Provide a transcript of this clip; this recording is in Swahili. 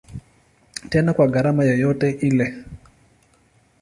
Tena kwa gharama yoyote ile.